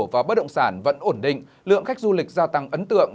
vào bất động sản vẫn ổn định lượng khách du lịch gia tăng ấn tượng